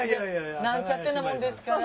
なんちゃってなもんですから。